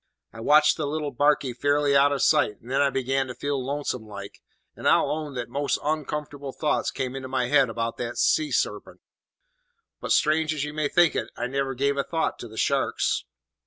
"I watched the little barkie fairly out of sight, and then I began to feel lonesome like, and I'll own that most oncomfortable thoughts came into my head about the sea sarpent; but, strange as you may think it, I never give a thought to the sharks.